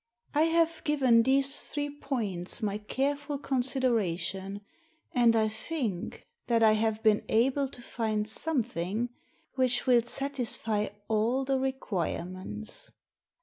I have given these three points my careful consideration, and I think that I have been able to find something which will satisfy all the requirements.